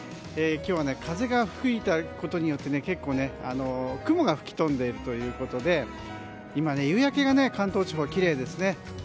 今日は風が吹いたことによって結構雲が吹き飛んでということで今、夕焼けが関東地方はきれいですね。